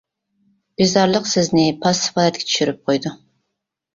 بىزارلىق سىزنى پاسسىپ ھالەتكە چۈشۈرۈپ قويىدۇ.